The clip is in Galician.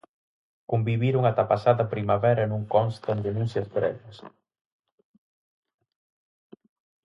Conviviron ata a pasada primavera e non constan denuncias previas.